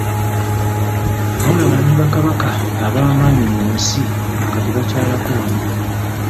Mulaba ne Bakabaka abaamaanyi mu nsi nga kati baakyalako wano.